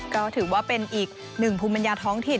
ก็ถือว่าเป็นอีกหนึ่งภูมิปัญญาท้องถิ่น